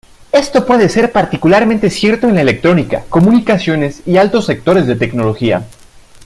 Esto puede ser particularmente cierto en la electrónica, comunicaciones y altos sectores de tecnología.